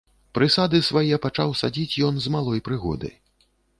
Прысады свае пачаў садзіць ён з малой прыгоды.